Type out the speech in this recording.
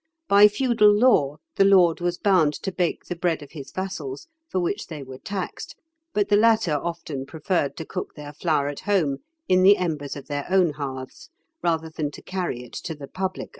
By feudal law the lord was bound to bake the bread of his vassals, for which they were taxed, but the latter often preferred to cook their flour at home in the embers of their own hearths, rather than to carry it to the public oven.